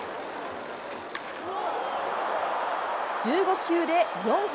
１５球で４本。